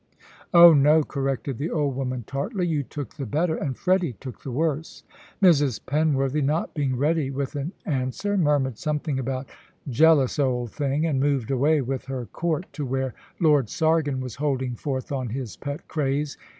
"Oh no," corrected the old woman, tartly; "you took the better, and Freddy took the worse." Mrs. Penworthy, not being ready with an answer, murmured something about "jealous old thing," and moved away with her court to where Lord Sargon was holding forth on his pet craze.